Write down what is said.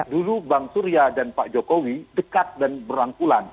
dulu bang surya dan pak jokowi dekat dan berangkulan